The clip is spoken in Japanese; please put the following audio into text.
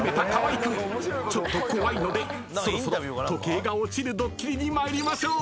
［ちょっと怖いのでそろそろ時計が落ちるドッキリに参りましょう］